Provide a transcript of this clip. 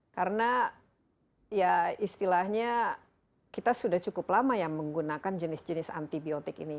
karena ya istilahnya kita sudah cukup lama yang menggunakan jenis jenis antibiotik ini